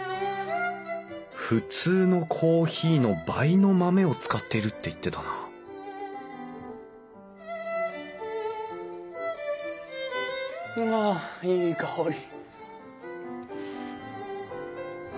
普通のコーヒーの倍の豆を使っているって言ってたなはあいい香り。